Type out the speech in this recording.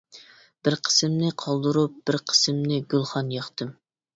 بىر قىسمىنى قالدۇرۇپ، بىر قىسمىنى گۈلخان ياقتىم.